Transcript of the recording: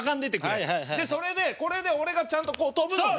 それでこれで俺がちゃんと跳ぶのね。